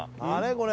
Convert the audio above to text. これ。